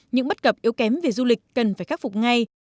những bất cập yếu kém về du lịch cần phải khắc phục ngay